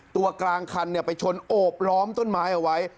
กลางคันไปชนโอบล้อมต้นไม้เอาไว้